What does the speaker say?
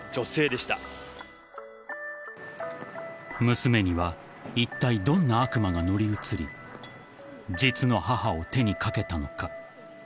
［娘にはいったいどんな悪魔が乗り移り実の母を手にかけたのか？］